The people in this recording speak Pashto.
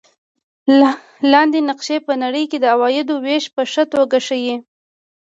لاندې نقشه په نړۍ کې د عوایدو وېش په ښه توګه ښيي.